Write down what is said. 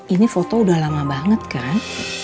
ini foto udah lama banget kan